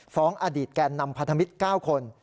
อดีตแก่นำพันธมิตร๙คน